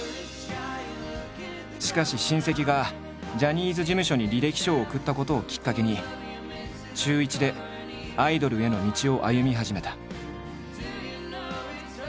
しかし親戚がジャニーズ事務所に履歴書を送ったことをきっかけに中１でアイドルへの道を歩み始めた。